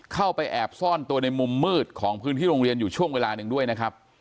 เข้าไปแอบซ่อนตัวในมุมมืดของพื้นที่โรงเรียนอยู่ช่วงเวลาหนึ่งด้วยนะครับ